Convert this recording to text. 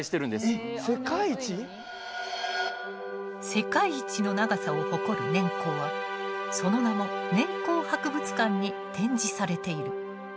世界一の長さを誇る年縞はその名も「年縞博物館」に展示されている。